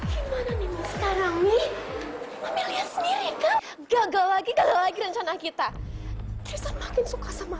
gimana nih sekarang nih amelia sendiri gagal lagi gagal lagi rencana kita justru makin suka sama